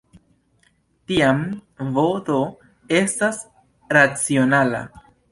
Tiam, "b-d" estas racionala.